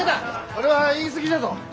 それは言い過ぎじゃぞ。